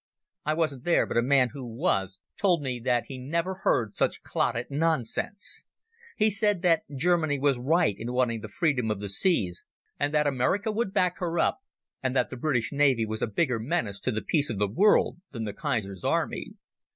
I wasn't there, but a man who was told me that he never heard such clotted nonsense. He said that Germany was right in wanting the freedom of the seas, and that America would back her up, and that the British Navy was a bigger menace to the peace of the world than the Kaiser's army.